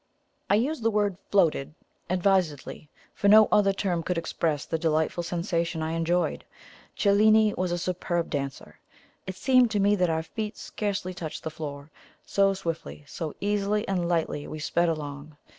I use the word FLOATED, advisedly, for no other term could express the delightful sensation I enjoyed. Cellini was a superb dancer. It seemed to me that our feet scarcely touched the floor, so swiftly, so easily and lightly we sped along.